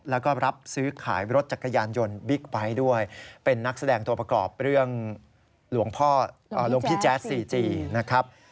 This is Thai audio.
แล้วก็รับซื้อขายรถจักรยานยนต์บิ๊กไบท์ด้วยเป็นนักแสดงตัวประกอบเรื่องหลวงพี่แจ๊สซีจีนะครับ